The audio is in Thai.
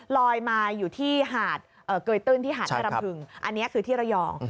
ลอยมาอยู่ที่หาดเกยตื้นที่หาดแม่รำพึงอันนี้คือที่ระยอง